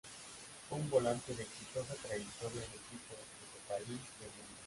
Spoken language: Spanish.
Fue un volante de exitosa trayectoria en equipos de su país y el mundo.